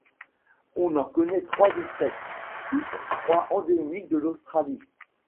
On en connait trois espèces, toutes trois endémiques de l'Australie.